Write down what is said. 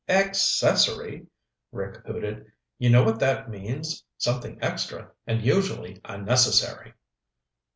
"Accessory!" Rick hooted. "You know what that means? Something extra and usually unnecessary."